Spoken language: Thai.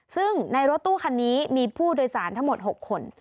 ซึ่งในรถตู้คันนี้มีผู้โดยสารทั้งหมด๖คน